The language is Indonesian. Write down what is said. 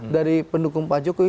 dari pendukung pak jokowi